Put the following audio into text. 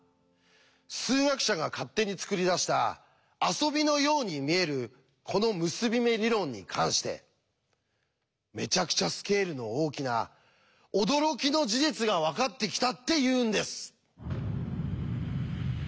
数学者が勝手に作り出した遊びのように見えるこの結び目理論に関してめちゃくちゃスケールの大きな驚きの事実が分かってきたっていうんです！